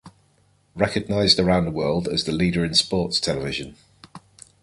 Recognized around the world as the leader in sports television.